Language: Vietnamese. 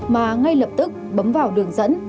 mà ngay lập tức bấm vào đường dẫn